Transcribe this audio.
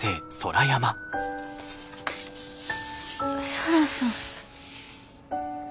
空さん。